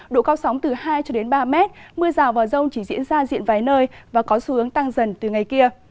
độ cao sóng từ hai cho đến ba mét mưa rào và rông chỉ diễn ra diện vài nơi và có xu hướng tăng dần từ ngày kia